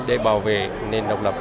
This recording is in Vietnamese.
để bảo vệ nền độc lập